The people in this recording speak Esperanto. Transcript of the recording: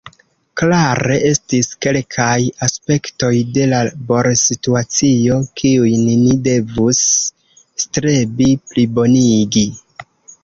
Klare estis kelkaj aspektoj de la laborsituacio, kiujn ni devus strebi plibonigi.